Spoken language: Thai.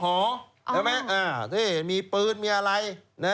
อ๋อเห็นไหมมีปืนมีอะไร